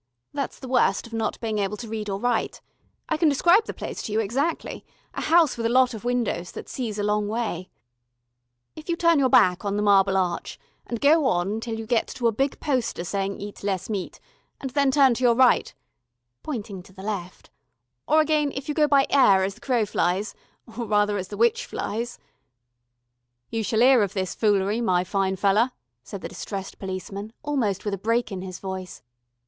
That's the worst of not being able to read or write. I can describe the place to you exactly, a house with a lot of windows, that sees a long way. If you turn your back on the Marble Arch, and go on till you get to a big poster saying Eat Less Meat, and then turn to your right (pointing to the left) or again, if you go by air as the crow flies or rather as the witch flies " "You shall 'ear of this foolery, my fine feller," said the distressed policeman, almost with a break in his voice.